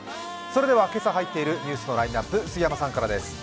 それでは、今朝入っているニュースのラインナップ、杉山さんからです。